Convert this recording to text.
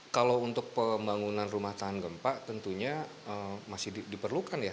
kalau untuk pembangunan rumah tahan gempa tentunya masih diperlukan ya